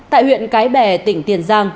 tại huyện cái bè tỉnh tiền giang